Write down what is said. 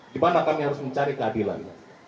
di mana kami harus mencari keadilan